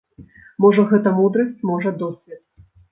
Можа, гэта мудрасць, можа, досвед.